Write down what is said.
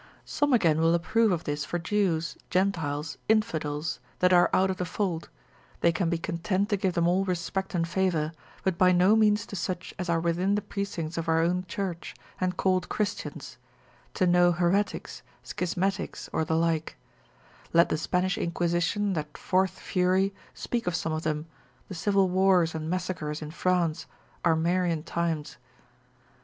Some again will approve of this for Jews, Gentiles, infidels, that are out of the fold, they can be content to give them all respect and favour, but by no means to such as are within the precincts of our own church, and called Christians, to no heretics, schismatics, or the like; let the Spanish inquisition, that fourth fury, speak of some of them, the civil wars and massacres in France, our Marian times.